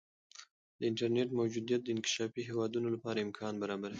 د انټرنیټ موجودیت د انکشافي هیوادونو لپاره امکانات برابروي.